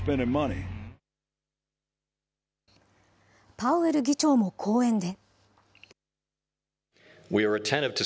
パウエル議長も講演で。